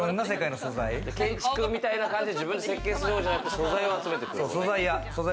建築みたいな感じで、自分で設計するんじゃなくて、素材を集めてくる。